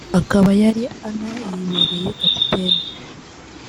akaba yari anayibereye kapiteni